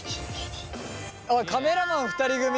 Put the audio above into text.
おいカメラマン２人組！